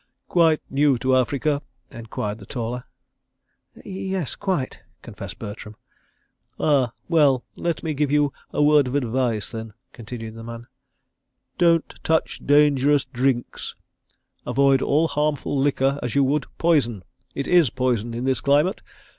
"Quite new to Africa?" enquired the taller. "Yes. Quite," confessed Bertram. "Ah! Well, let me give you a word of advice then," continued the man. "Don't touch dangerous drinks. Avoid all harmful liquor as you would poison. It is poison, in this climate.